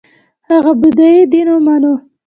هغه بودايي دین ومانه